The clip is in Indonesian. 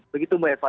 begitu mbak eva